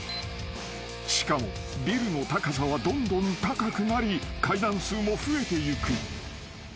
［しかもビルの高さはどんどん高くなり階段数も増えていく］